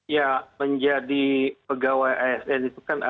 ya menjadi pegawai asn itu kan